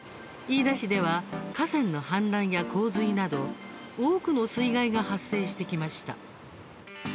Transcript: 飯田市では河川の氾濫や洪水など多くの水害が発生してきました。